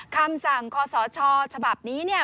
คำสั่งคอสชฉบับนี้